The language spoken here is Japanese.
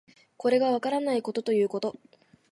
これがわからないことということ